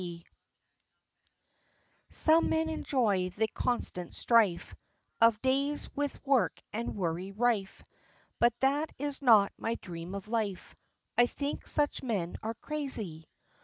"LAZY" Some men enjoy the constant strife Of days with work and worry rife, But that is not my dream of life: I think such men are crazy.